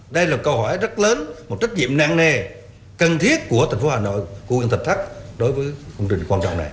đây là câu hỏi rất lớn một trách nhiệm năng nề cần thiết của thành phố hà nội của nguyên tập thắc đối với công trình quan trọng này